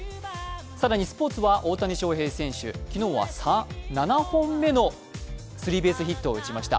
更にスポーツは、大谷翔平選手、昨日は７本目のスリーベースヒットを打ちました。